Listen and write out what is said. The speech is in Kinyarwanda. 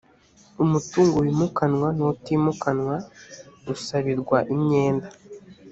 umutungo wimukanwa n utimukanwa usabirwa imyenda